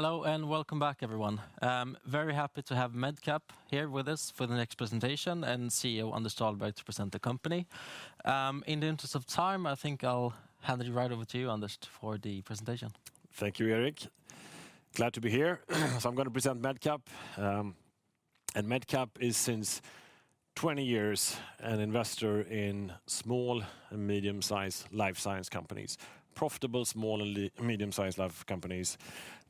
Hello and welcome back, everyone. Very happy to have MedCap here with us for the next presentation and CEO Anders Dahlberg to present the company. In the interest of time, I think I'll hand it right over to you, Anders, for the presentation. Thank you, Erik. Glad to be here. So I'm going to present MedCap. And MedCap is, since 20 years, an investor in small and medium-sized life science companies. Profitable small and medium-sized life companies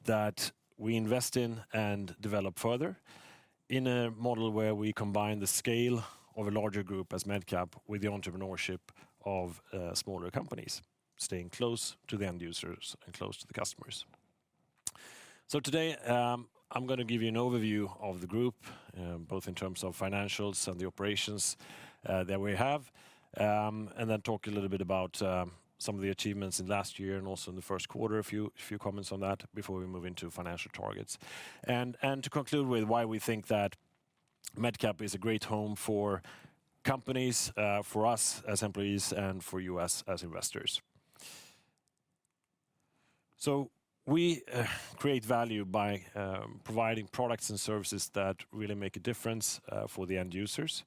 that we invest in and develop further in a model where we combine the scale of a larger group as MedCap with the entrepreneurship of smaller companies, staying close to the end users and close to the customers. So today, I'm going to give you an overview of the group, both in terms of financials and the operations that we have, and then talk a little bit about some of the achievements in last year and also in the first quarter, a few comments on that before we move into financial targets. And to conclude with why we think that MedCap is a great home for companies, for us as employees, and for you as investors. So we create value by providing products and services that really make a difference for the end users,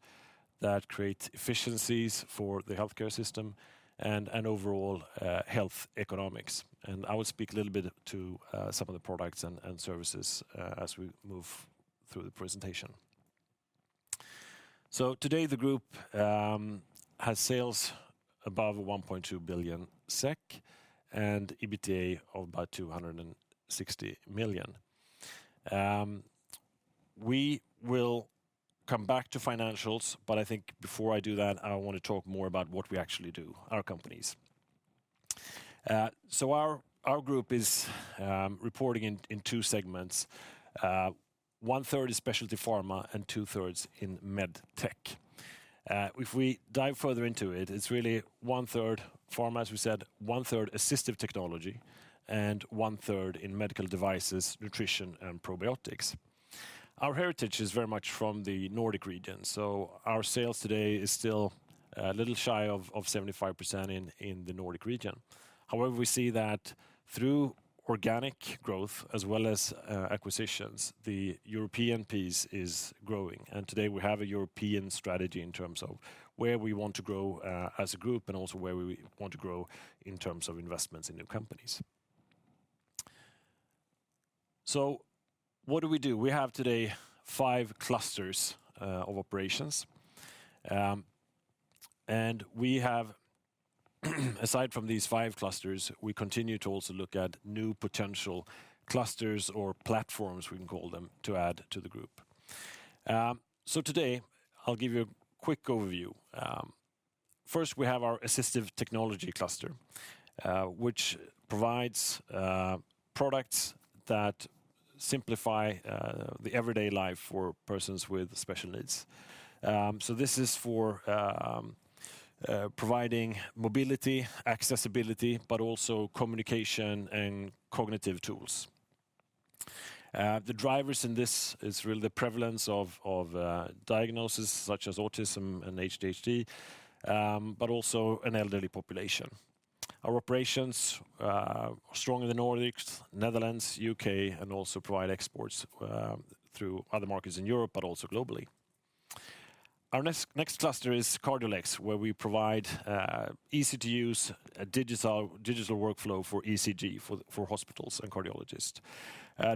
that create efficiencies for the healthcare system and overall health economics, and I will speak a little bit to some of the products and services as we move through the presentation. So today, the group has sales above 1.2 billion SEK and EBITDA of about 260 million. We will come back to financials, but I think before I do that, I want to talk more about what we actually do, our companies. So our group is reporting in two segments. One third is specialty pharma and 2/3 in med tech. If we dive further into it, it's really 1/3 pharma, as we said, 1/3 assistive technology, and 1/3 in medical devices, nutrition, and probiotics. Our heritage is very much from the Nordic region. Our sales today are still a little shy of 75% in the Nordic region. However, we see that through organic growth as well as acquisitions, the European piece is growing, and today, we have a European strategy in terms of where we want to grow as a group and also where we want to grow in terms of investments in new companies. So what do we do? We have today five clusters of operations, and we have, aside from these five clusters, we continue to also look at new potential clusters or platforms, we can call them, to add to the group. So today, I'll give you a quick overview. First, we have our assistive technology cluster, which provides products that simplify the everyday life for persons with special needs, so this is for providing mobility, accessibility, but also communication and cognitive tools. The drivers in this is really the prevalence of diagnoses such as autism and ADHD, but also an elderly population. Our operations are strong in the Nordics, Netherlands, U.K., and also provide exports through other markets in Europe, but also globally. Our next cluster is Cardiolex, where we provide easy-to-use digital workflow for ECG for hospitals and cardiologists.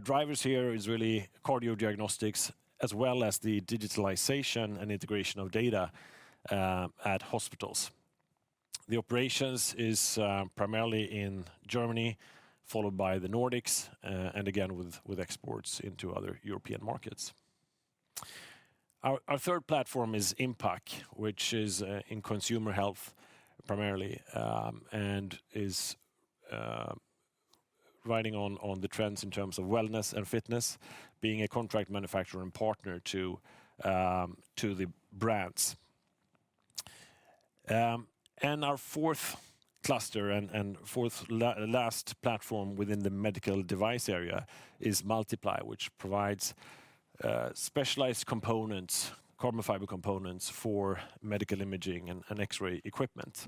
Drivers here is really cardio diagnostics as well as the digitalization and integration of data at hospitals. The operations is primarily in Germany, followed by the Nordics, and again with exports into other European markets. Our third platform is Inpac, which is in consumer health primarily and is riding on the trends in terms of wellness and fitness, being a contract manufacturer and partner to the brands. And our fourth cluster and fourth last platform within the medical device area is Multi-Ply, which provides specialized components, carbon fiber components for medical imaging and X-ray equipment.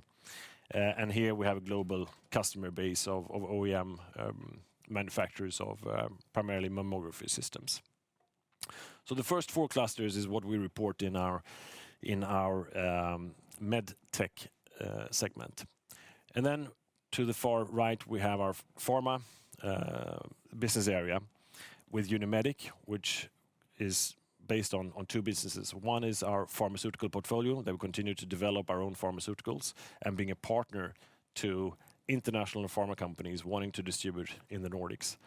And here we have a global customer base of OEM manufacturers of primarily mammography systems. So the first four clusters is what we report in our med tech segment. And then to the far right, we have our pharma business area with Unimedic, which is based on two businesses. One is our pharmaceutical portfolio that we continue to develop our own pharmaceuticals and being a partner to international pharma companies wanting to distribute in the Nordics.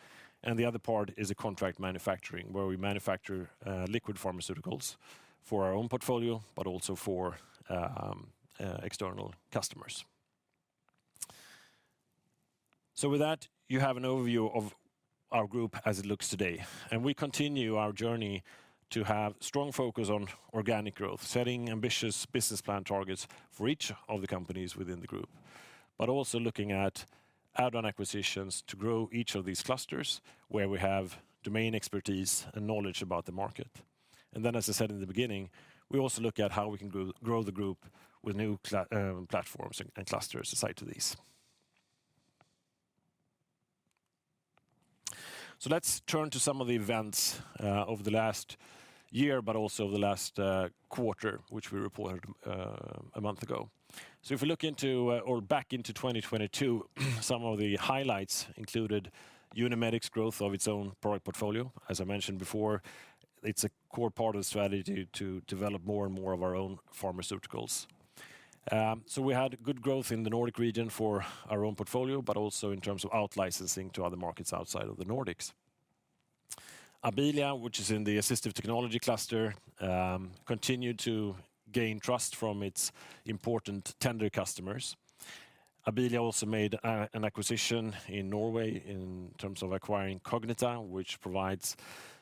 And the other part is a contract manufacturing where we manufacture liquid pharmaceuticals for our own portfolio, but also for external customers. So with that, you have an overview of our group as it looks today. We continue our journey to have strong focus on organic growth, setting ambitious business plan targets for each of the companies within the group, but also looking at add-on acquisitions to grow each of these clusters where we have domain expertise and knowledge about the market. Then, as I said in the beginning, we also look at how we can grow the group with new platforms and clusters aside to these. Let's turn to some of the events over the last year, but also over the last quarter, which we reported a month ago. If we look into or back into 2022, some of the highlights included Unimedic's growth of its own product portfolio. As I mentioned before, it's a core part of the strategy to develop more and more of our own pharmaceuticals. So we had good growth in the Nordic region for our own portfolio, but also in terms of outlicensing to other markets outside of the Nordics. Abilia, which is in the assistive technology cluster, continued to gain trust from its important tender customers. Abilia also made an acquisition in Norway in terms of acquiring Cognita, which provides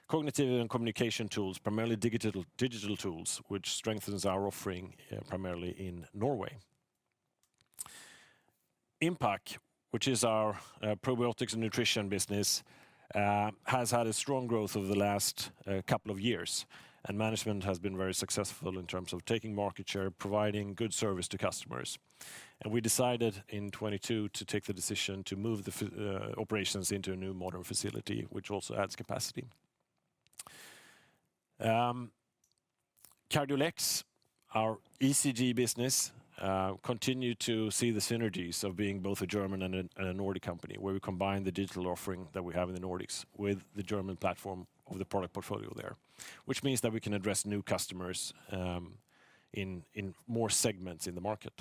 cognitive and communication tools, primarily digital tools, which strengthens our offering primarily in Norway. Inpac, which is our probiotics and nutrition business, has had a strong growth over the last couple of years, and management has been very successful in terms of taking market share, providing good service to customers. And we decided in 2022 to take the decision to move the operations into a new modern facility, which also adds capacity. Cardiolex, our ECG business, continued to see the synergies of being both a German and a Nordic company, where we combine the digital offering that we have in the Nordics with the German platform of the product portfolio there, which means that we can address new customers in more segments in the market.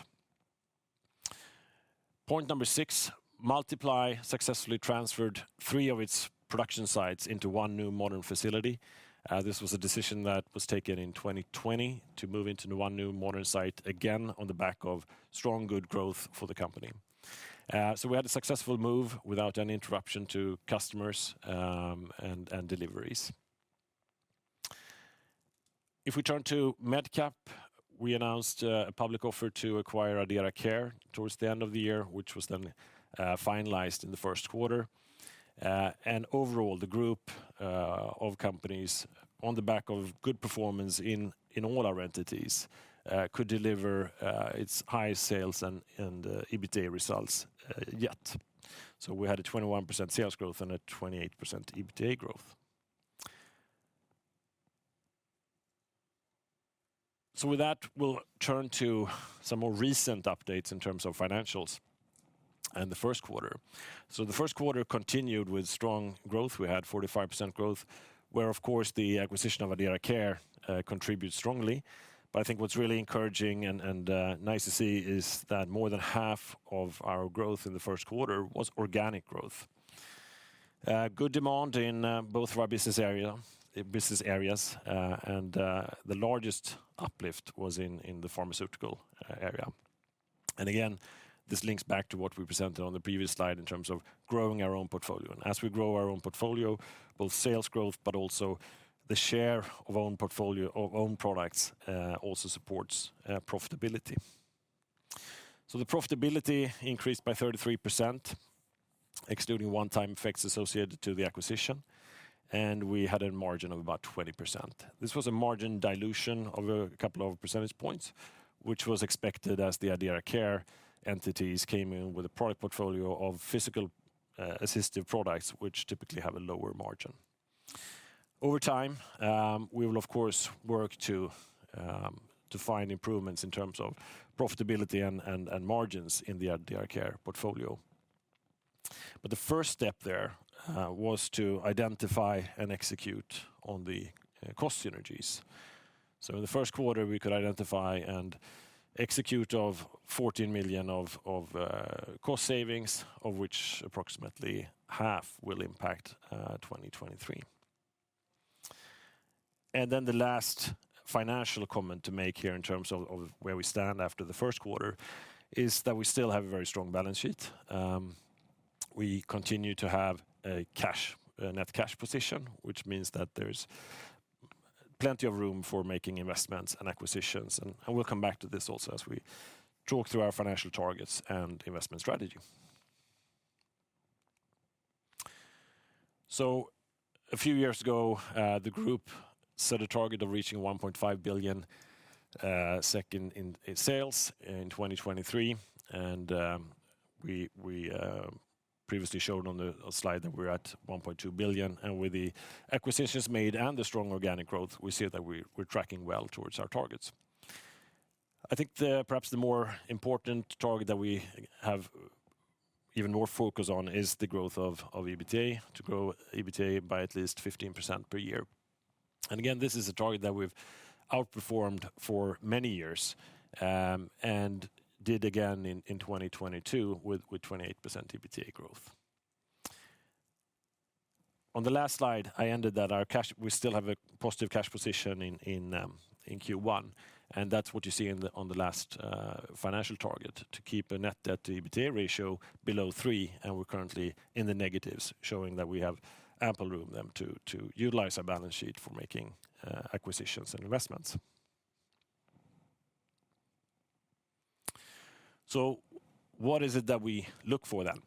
Point number six, Multi-Ply successfully transferred three of its production sites into one new modern facility. This was a decision that was taken in 2020 to move into one new modern site again on the back of strong good growth for the company. So we had a successful move without any interruption to customers and deliveries. If we turn to MedCap, we announced a public offer to acquire AdderaCare towards the end of the year, which was then finalized in the first quarter. Overall, the group of companies, on the back of good performance in all our entities, could deliver its high sales and EBITDA results yet. We had a 21% sales growth and a 28% EBITDA growth. With that, we'll turn to some more recent updates in terms of financials and the first quarter. The first quarter continued with strong growth. We had 45% growth, where, of course, the acquisition of AdderaCare contributes strongly. I think what's really encouraging and nice to see is that more than half of our growth in the first quarter was organic growth. Good demand in both of our business areas, and the largest uplift was in the pharmaceutical area. Again, this links back to what we presented on the previous slide in terms of growing our own portfolio. And as we grow our own portfolio, both sales growth, but also the share of own products also supports profitability. So the profitability increased by 33%, excluding one-time effects associated to the acquisition, and we had a margin of about 20%. This was a margin dilution of a couple of percentage points, which was expected as the AdderaCare entities came in with a product portfolio of physical assistive products, which typically have a lower margin. Over time, we will, of course, work to find improvements in terms of profitability and margins in the AdderaCare portfolio. But the first step there was to identify and execute on the cost synergies. So in the first quarter, we could identify and execute of 14 million of cost savings, of which approximately half will impact 2023. Then the last financial comment to make here in terms of where we stand after the first quarter is that we still have a very strong balance sheet. We continue to have a net cash position, which means that there's plenty of room for making investments and acquisitions. And we'll come back to this also as we talk through our financial targets and investment strategy. A few years ago, the group set a target of reaching 1.5 billion in sales in 2023. And we previously showed on the slide that we're at 1.2 billion. And with the acquisitions made and the strong organic growth, we see that we're tracking well towards our targets. I think perhaps the more important target that we have even more focus on is the growth of EBITDA, to grow EBITDA by at least 15% per year. Again, this is a target that we've outperformed for many years and did again in 2022 with 28% EBITDA growth. On the last slide, I mentioned that our cash, we still have a positive cash position in Q1. That's what you see on the last financial target, to keep a net debt to EBITDA ratio below 3x. We're currently in the negatives, showing that we have ample room then to utilize our balance sheet for making acquisitions and investments. What is it that we look for then?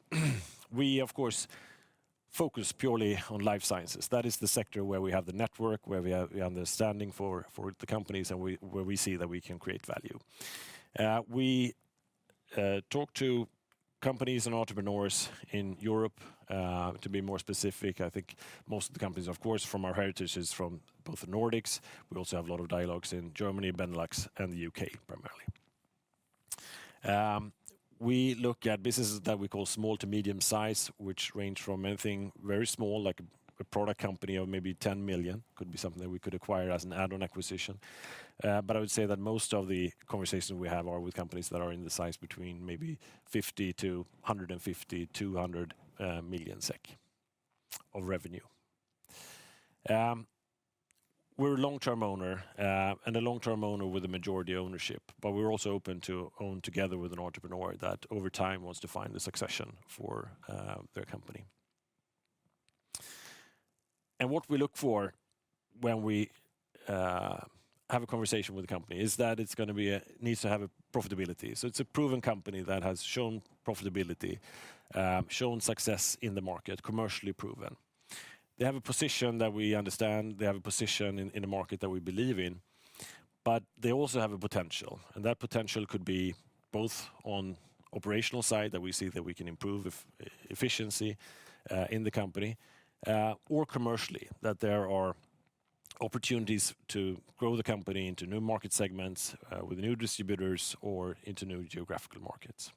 We, of course, focus purely on life sciences. That is the sector where we have the network, where we have the understanding for the companies, and where we see that we can create value. We talk to companies and entrepreneurs in Europe. To be more specific, I think most of the companies, of course, from our heritage is from both the Nordics. We also have a lot of dialogues in Germany, Benelux, and the U.K. primarily. We look at businesses that we call small to medium size, which range from anything very small, like a product company of maybe 10 million, could be something that we could acquire as an add-on acquisition. But I would say that most of the conversations we have are with companies that are in the size between maybe 50 million-150 million SEK, 200 million SEK of revenue. We're a long-term owner and a long-term owner with a majority ownership, but we're also open to own together with an entrepreneur that over time wants to find the succession for their company. What we look for when we have a conversation with a company is that it's going to need to have profitability. It's a proven company that has shown profitability, shown success in the market, commercially proven. They have a position that we understand. They have a position in the market that we believe in, but they also have a potential. That potential could be both on the operational side that we see that we can improve efficiency in the company, or commercially, that there are opportunities to grow the company into new market segments with new distributors or into new geographical markets.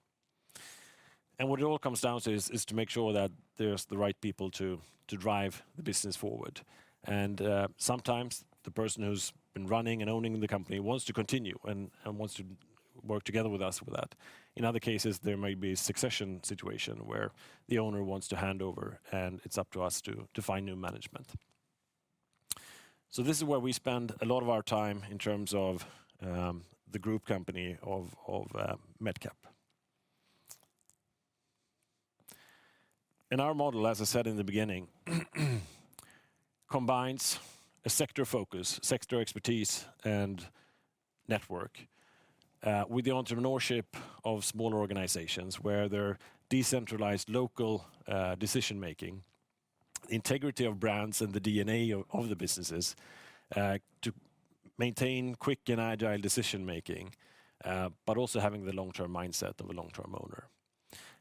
What it all comes down to is to make sure that there's the right people to drive the business forward. Sometimes the person who's been running and owning the company wants to continue and wants to work together with us with that. In other cases, there may be a succession situation where the owner wants to hand over and it's up to us to find new management. So this is where we spend a lot of our time in terms of the group company of MedCap. And our model, as I said in the beginning, combines a sector focus, sector expertise, and network with the entrepreneurship of smaller organizations where there are decentralized local decision-making, integrity of brands and the DNA of the businesses to maintain quick and agile decision-making, but also having the long-term mindset of a long-term owner.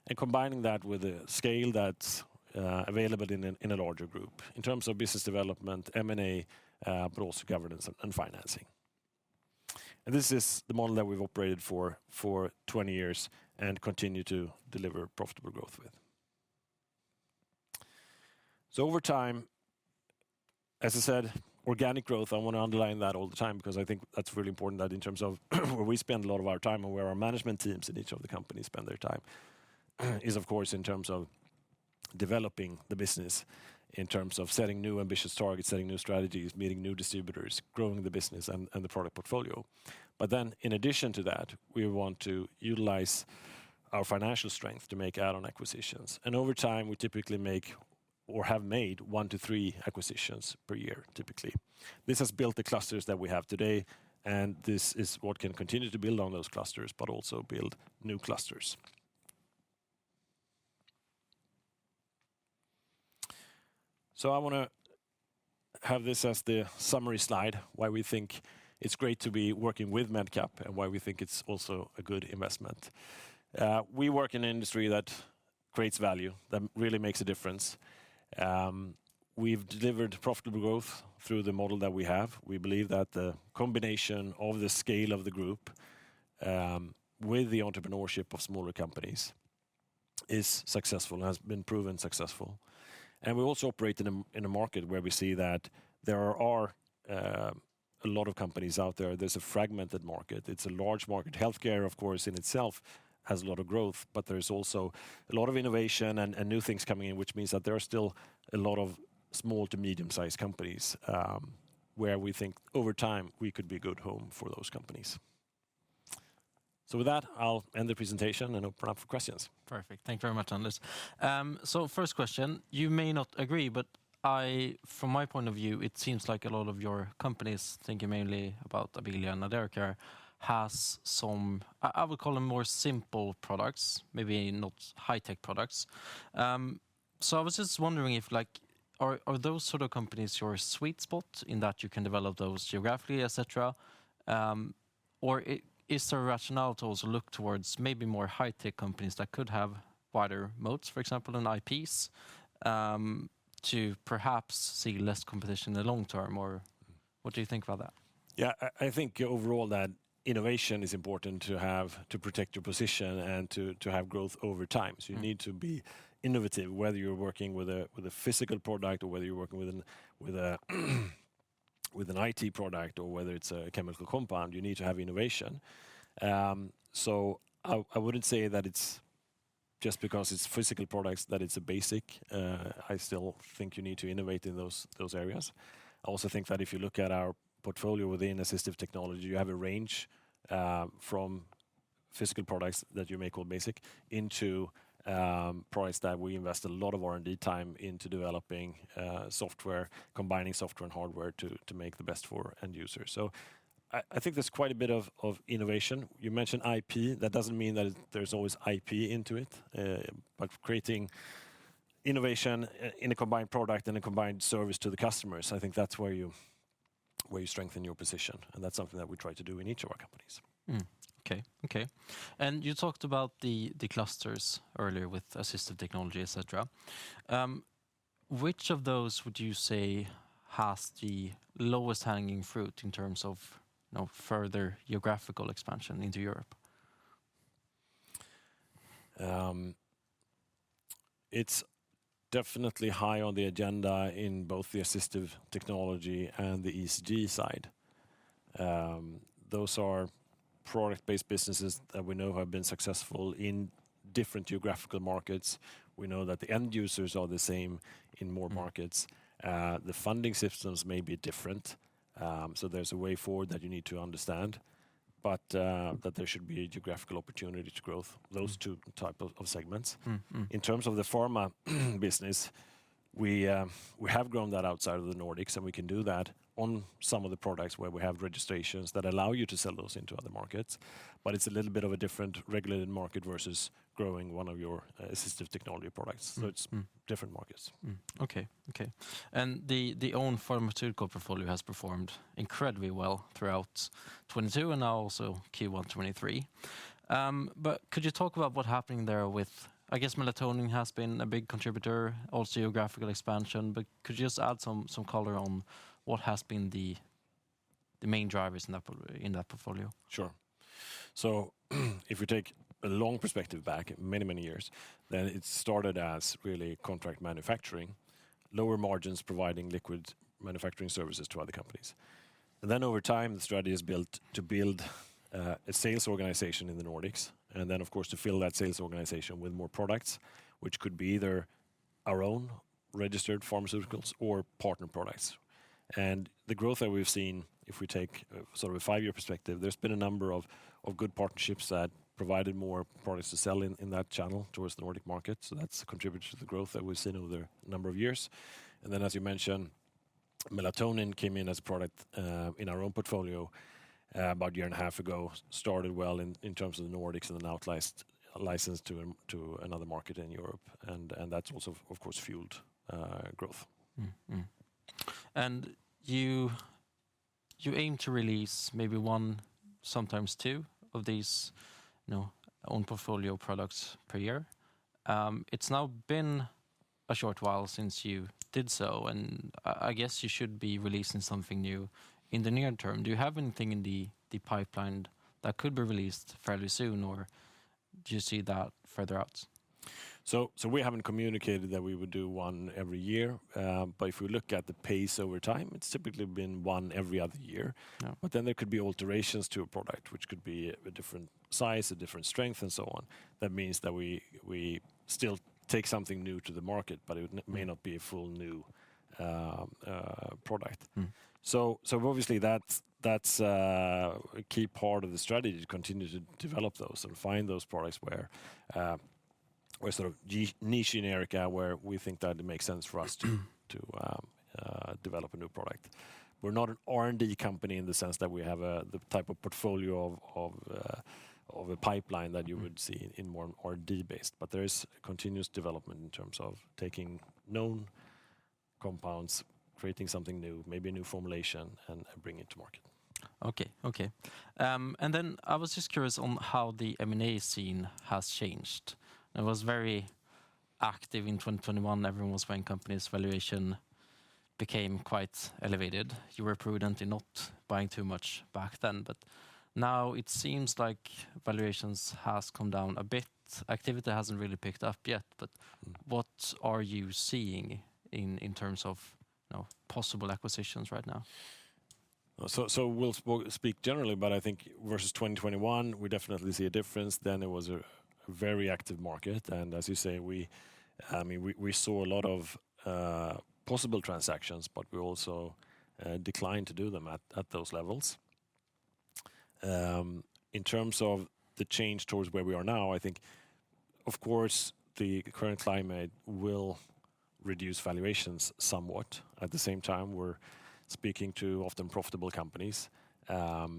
And combining that with the scale that's available in a larger group in terms of business development, M&A, but also governance and financing. And this is the model that we've operated for 20 years and continue to deliver profitable growth with. So over time, as I said, organic growth. I want to underline that all the time because I think that's really important that in terms of where we spend a lot of our time and where our management teams in each of the companies spend their time is, of course, in terms of developing the business, in terms of setting new ambitious targets, setting new strategies, meeting new distributors, growing the business and the product portfolio. But then in addition to that, we want to utilize our financial strength to make add-on acquisitions. And over time, we typically make or have made one to three acquisitions per year, typically. This has built the clusters that we have today, and this is what can continue to build on those clusters, but also build new clusters. So I want to have this as the summary slide, why we think it's great to be working with MedCap and why we think it's also a good investment. We work in an industry that creates value, that really makes a difference. We've delivered profitable growth through the model that we have. We believe that the combination of the scale of the group with the entrepreneurship of smaller companies is successful and has been proven successful. And we also operate in a market where we see that there are a lot of companies out there. There's a fragmented market. It's a large market. Healthcare, of course, in itself has a lot of growth, but there's also a lot of innovation and new things coming in, which means that there are still a lot of small to medium-sized companies where we think over time we could be a good home for those companies. So with that, I'll end the presentation and open up for questions. Perfect. Thank you very much, Anders. So first question, you may not agree, but from my point of view, it seems like a lot of your companies thinking mainly about Abilia and AdderaCare has some, I would call them more simple products, maybe not high-tech products. So I was just wondering if, like, are those sort of companies your sweet spot in that you can develop those geographically, etc.? Or is there a rationale to also look towards maybe more high-tech companies that could have wider moats, for example, and IPs to perhaps see less competition in the long term? Or what do you think about that? Yeah, I think overall that innovation is important to have to protect your position and to have growth over time. So you need to be innovative, whether you're working with a physical product or whether you're working with an IT product or whether it's a chemical compound, you need to have innovation. So I wouldn't say that it's just because it's physical products that it's a basic. I still think you need to innovate in those areas. I also think that if you look at our portfolio within assistive technology, you have a range from physical products that you may call basic into products that we invest a lot of R&D time into developing software, combining software and hardware to make the best for end users. So I think there's quite a bit of innovation. You mentioned IP. That doesn't mean that there's always IP into it, but creating innovation in a combined product and a combined service to the customers. I think that's where you strengthen your position. And that's something that we try to do in each of our companies. Okay, okay. And you talked about the clusters earlier with assistive technology, etc. Which of those would you say has the lowest hanging fruit in terms of further geographical expansion into Europe? It's definitely high on the agenda in both the assistive technology and the ECG side. Those are product-based businesses that we know have been successful in different geographical markets. We know that the end users are the same in more markets. The funding systems may be different. So there's a way forward that you need to understand, but that there should be a geographical opportunity to grow those two types of segments. In terms of the pharma business, we have grown that outside of the Nordics, and we can do that on some of the products where we have registrations that allow you to sell those into other markets. But it's a little bit of a different regulated market versus growing one of your assistive technology products. So it's different markets. Okay, okay. And the own pharmaceutical portfolio has performed incredibly well throughout 2022 and now also Q1 2023. But could you talk about what's happening there with, I guess, melatonin has been a big contributor, also geographical expansion, but could you just add some color on what has been the main drivers in that portfolio? Sure. So if we take a long perspective back, many, many years, then it started as really contract manufacturing, lower margins providing liquid manufacturing services to other companies. And then over time, the strategy has built to build a sales organization in the Nordics, and then, of course, to fill that sales organization with more products, which could be either our own registered pharmaceuticals or partner products. And the growth that we've seen, if we take sort of a five-year perspective, there's been a number of good partnerships that provided more products to sell in that channel towards the Nordic market. That's contributed to the growth that we've seen over a number of years. And then, as you mentioned, melatonin came in as a product in our own portfolio about a year and a half ago, started well in terms of the Nordics and then exclusively licensed to another market in Europe. And that's also, of course, fueled growth. You aim to release maybe one, sometimes two of these own portfolio products per year. It's now been a short while since you did so, and I guess you should be releasing something new in the near term. Do you have anything in the pipeline that could be released fairly soon, or do you see that further out? We haven't communicated that we would do one every year, but if we look at the pace over time, it's typically been one every other year. But then there could be alterations to a product, which could be a different size, a different strength, and so on. That means that we still take something new to the market, but it may not be a full new product. So obviously, that's a key part of the strategy to continue to develop those and find those products where sort of niche in areas where we think that it makes sense for us to develop a new product. We're not an R&D company in the sense that we have the type of portfolio of a pipeline that you would see in more R&D based, but there is continuous development in terms of taking known compounds, creating something new, maybe a new formulation, and bringing it to market. Okay, okay, and then I was just curious on how the M&A scene has changed. It was very active in 2021. Everyone was buying companies. Valuation became quite elevated. You were prudently not buying too much back then, but now it seems like valuations have come down a bit. Activity hasn't really picked up yet, but what are you seeing in terms of possible acquisitions right now? So we'll speak generally, but I think versus 2021, we definitely see a difference, then it was a very active market, and as you say, we saw a lot of possible transactions, but we also declined to do them at those levels. In terms of the change towards where we are now, I think, of course, the current climate will reduce valuations somewhat, at the same time, we're speaking to often profitable companies,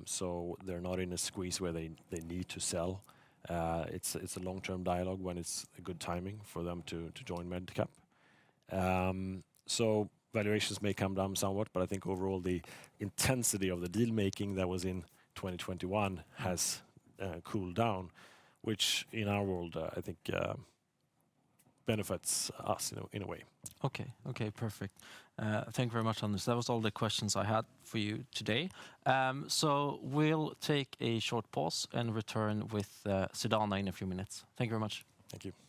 so they're not in a squeeze where they need to sell. It's a long-term dialogue when it's a good timing for them to join MedCap. So valuations may come down somewhat, but I think overall, the intensity of the deal-making that was in 2021 has cooled down, which in our world, I think, benefits us in a way. Okay, okay. Perfect. Thank you very much, Anders. That was all the questions I had for you today. So we'll take a short pause and return with Sedana in a few minutes. Thank you very much. Thank you.